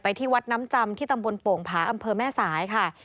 ที่วัดน้ำจำที่ตำบลโป่งผาอำเภอแม่สายค่ะ